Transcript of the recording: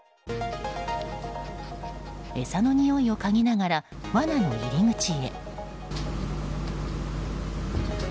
餌のにおいをかぎながらわなの入口へ。